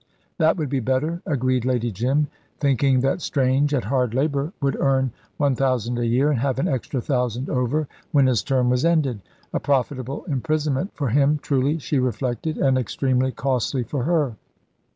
"That would be better," agreed Lady Jim, thinking that Strange at hard labour would earn one thousand a year and have an extra thousand over when his term was ended. A profitable imprisonment for him, truly, she reflected, and extremely costly for her.